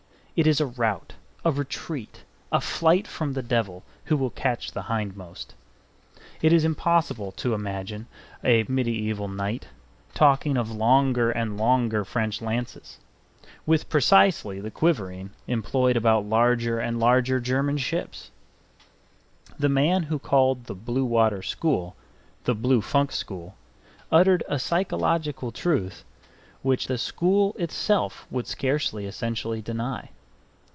It is a rout, a retreat, a flight from the devil, who will catch the hindmost. It is impossible to imagine a mediaeval knight talking of longer and longer French lances, with precisely the quivering employed about larger and larger German ships The man who called the Blue Water School the "Blue Funk School" uttered a psychological truth which that school itself would scarcely essentially deny.